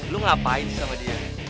lo ngapain sih sama dia